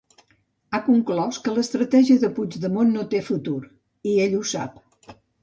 Ha conclòs que l'estratègia de Puigdemont no té futur, i ell ho sap.